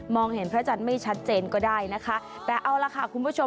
เห็นพระจันทร์ไม่ชัดเจนก็ได้นะคะแต่เอาล่ะค่ะคุณผู้ชม